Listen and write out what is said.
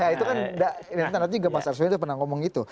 itu kan nanti juga mas arswendo pernah ngomong itu